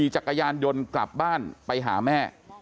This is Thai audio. จนกลับบ้านไปหาแม่